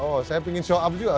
oh saya ingin show up juga